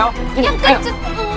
yang kejut tuh